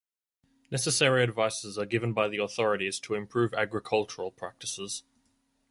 Necessary advices are given by the authorities to improve agricultural practices.